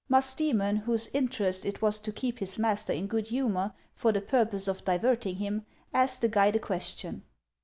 Musdoemon, whose interest it was to keep his master in good humor, for the purpose of diverting him, asked the guide a question.